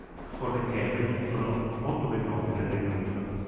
Oxford e Cambridge sono molto ben note nel Regno Unito.